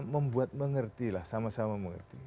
membuat mengerti lah sama sama mengerti